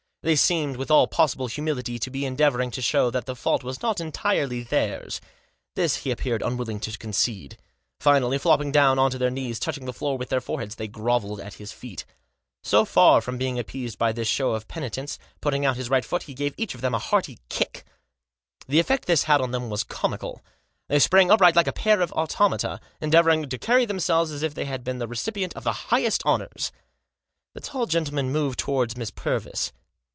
They seemed, with all possible humility, to be endeavouring to show that the fault was not entirely theirs. This he appeared unwilling to concede. Finally, flopping down on to their knees, touching the floor with their foreheads, they grovelled at his feet. So far from being appeased by this show of penitence, putting out his right foot, he gave each of them a hearty kick. The effect this had on them was comical. They sprang upright like a pair of automata, endeavouring to carry themselves as if they had been the recipient of the highest honours. The tall gentleman moved towards Miss Purvis.